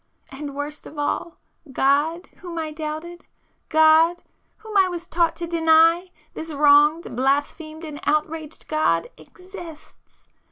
And worst of all,—God whom I doubted, God whom I was taught to deny, this wronged, blasphemed, and outraged God EXISTS!